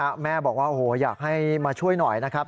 แม่บอกว่าโอ้โหอยากให้มาช่วยหน่อยนะครับ